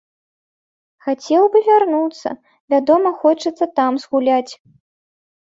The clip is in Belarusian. Хацеў бы вярнуцца, вядома хочацца там згуляць.